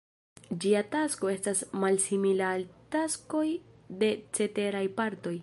Ĝia tasko estas malsimila al taskoj de ceteraj partoj.